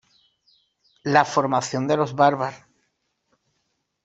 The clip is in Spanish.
La formación de los "Barba".